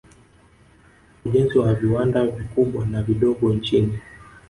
Ujenzi wa viwanda vikubwa na vidogo nchini